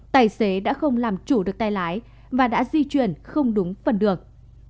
tài xế đã không làm chủ được tay lái và đã di chuyển không đúng phần đường